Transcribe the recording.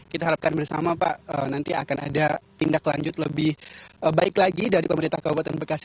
kita harapkan bersama pak nanti akan ada tindak lanjut lebih baik lagi dari pemerintah kabupaten bekasi